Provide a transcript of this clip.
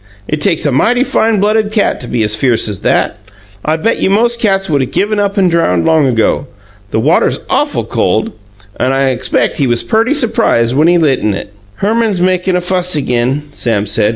It takes a mighty fine blooded cat to be as fierce as that. I bet you most cats would 'a' given up and drowned long ago. The water's awful cold, and I expect he was perty supprised when he lit in it." "Herman's makin' a fuss again," Sam said.